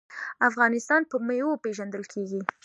افغانستان په میوو پیژندل کیږي.